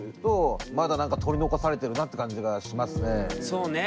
そうね。